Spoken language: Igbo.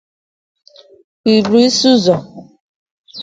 Ụbụlụisiụzọr